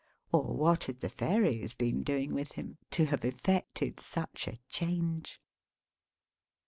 Or what had the Fairies been doing with him, to have effected such a change!